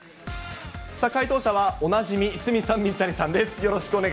解答者はおなじみ、鷲見さん、水谷さんです。